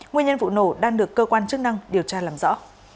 nguyên nhân vụ nổ đang được cơ quan chức năng điều tra làm rõ